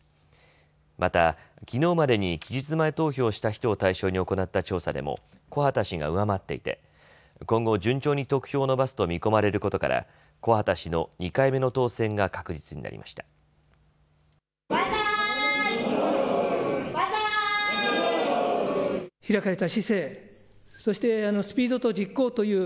また、きのうまでに期日前投票をした人を対象に行った調査でも木幡氏が上回っていて今後、順調に得票を伸ばすと見込まれることから木幡氏の２回目の当選が確実になりました。